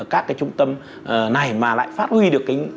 các trung tâm này mà lại phát huy được